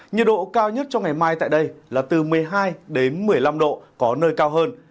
nhiệt độ cao nhất trong ngày mai tại đây là từ một mươi hai đến một mươi năm độ có nơi cao hơn